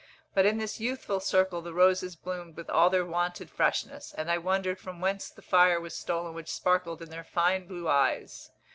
But in this youthful circle the roses bloomed with all their wonted freshness, and I wondered from whence the fire was stolen which sparkled in their fine blue eyes.